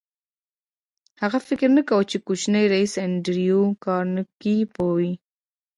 هغه فکر نه کاوه چې کوچنی ريیس انډریو کارنګي به وي